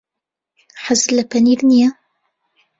حەزت لە پەنیر نییە.